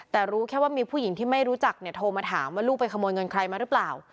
แต่รู้แค่ว่ามีผู้หญิงที่ไม่รู้จักเนี่ยโทรมาถามว่าลูกไปขโมยเงินใครมาหรือเปล่า